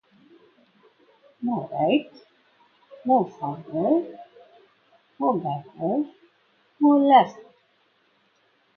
Houghton's extravagance, which went far beyond his salary, made him an obvious suspect.